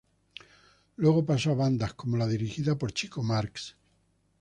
Luego pasó a bandas como la dirigida por Chico Marx.